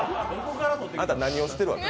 あなた何をしてるわけ？